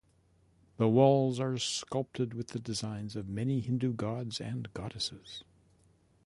The walls are sculpted with the designs of many Hindu Gods and Goddesses.